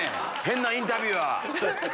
変なインタビュアー。